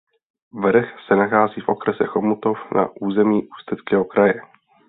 Vrch se nachází v okrese Chomutov na území Ústeckého kraje.